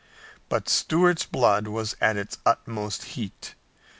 But Stuart's blood was at its utmost heat.